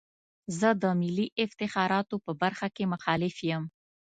زه د ملي افتخاراتو په برخه کې مخالف یم.